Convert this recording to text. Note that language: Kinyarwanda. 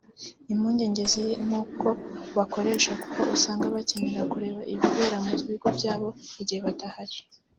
Impungenge ziri no ku bakoresha kuko usanga bakenera kureba ibibera mu bigo byabo igihe badahari